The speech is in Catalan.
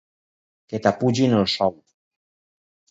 Que t'apugin el sou!